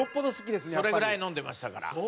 それぐらい飲んでましたから。